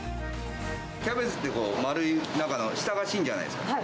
キャベツってこう、丸い中の下が芯じゃないですか。